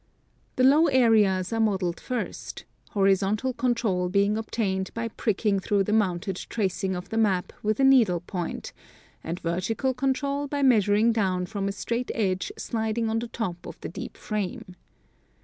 The low areas are modeled first, — horizontal control being obtained by pricking through the mo.unted tracing of the map with a needle point, and vertical control by measuring down from a straight edge sliding on the top of the deep frame.